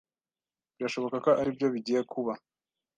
Birashoboka ko aribyo bigiye kuba.